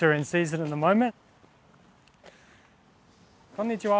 こんにちは。